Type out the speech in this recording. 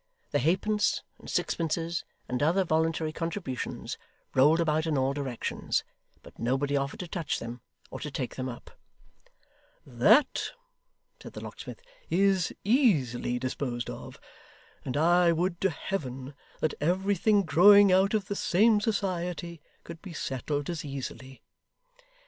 The halfpence, and sixpences, and other voluntary contributions, rolled about in all directions, but nobody offered to touch them, or to take them up. 'That,' said the locksmith, 'is easily disposed of, and I would to Heaven that everything growing out of the same society could be settled as easily.